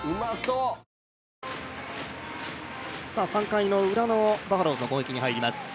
３回ウラのバファローズの攻撃に入ります。